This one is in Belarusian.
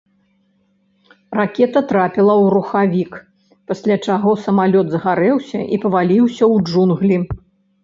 Ракета трапіла ў рухавік, пасля чаго самалёт загарэўся і паваліўся ў джунглі.